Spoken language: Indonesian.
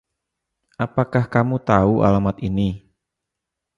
Apakah kamu tahu alamat ini...?